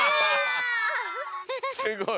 すごい。